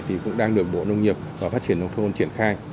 thì cũng đang được bộ nông nghiệp và phát triển nông thôn triển khai